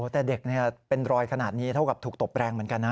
แต่เด็กเป็นรอยขนาดนี้เท่ากับถูกตบแรงเหมือนกันนะ